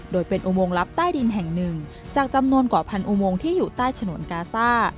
โดยเป็นอุโมงลับใต้ดินแห่งหนึ่งจากจำนวนกว่าพันอุโมงที่อยู่ใต้ฉนวนกาซ่า